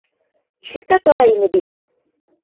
Ишектә тора ине бит!